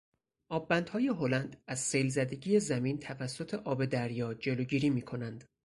آببندهای هلند ازسیلزدگی زمین توسط آب دریا جلوگیری میکنند.